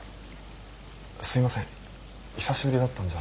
すいません久しぶりだったんじゃ。